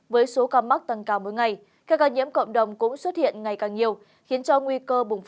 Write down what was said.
với số ca mắc tăng cao mỗi ngày các ca nhiễm cộng đồng cũng xuất hiện ngày càng nhiều